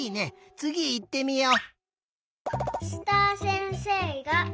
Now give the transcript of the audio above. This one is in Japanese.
つぎいってみよう。